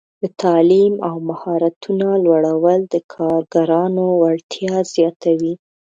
د تعلیم او مهارتونو لوړول د کارګرانو وړتیا زیاتوي.